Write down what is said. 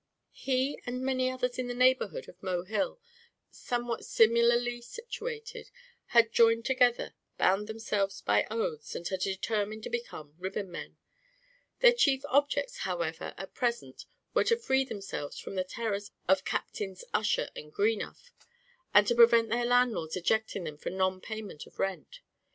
He, and many others in the neighbourhood of Mohill somewhat similarly situated, had joined together, bound themselves by oaths, and had determined to become ribbonmen; their chief objects, however, at present, were to free themselves from the terrors of Captains Ussher and Greenough, and to prevent their landlords ejecting them for non payment of rent.